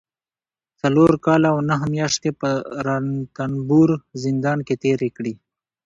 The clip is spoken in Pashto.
څلور کاله او نهه مياشتې په رنتنبور زندان کې تېرې کړي